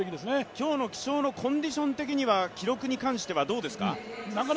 今日の気象のコンディション的には記録的にはどうですか。